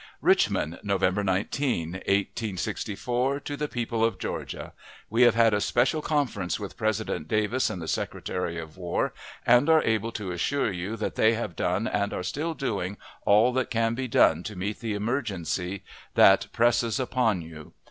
Richmond, November 19,1864. To the People of Georgia: We have had a special conference with President Davis and the Secretary of War, and are able to assure you that they have done and are still doing all that can be done to meet the emergency that presses upon you.